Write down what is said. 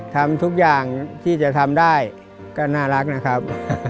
ทำทุกอย่างที่จะทำได้ก็น่ารักนะครับ